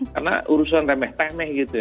karena urusan remeh temeh gitu ya